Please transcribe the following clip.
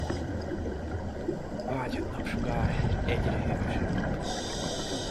Bágyadt napsugár, egyre hűvösebb van.